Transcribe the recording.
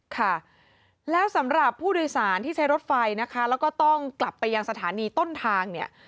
ค่ะแล้วสำหรับผู้โดยสารที่ใช้รถไฟนะคะแล้วก็ต้องกลับไปยังสถานีต้นทางเนี่ย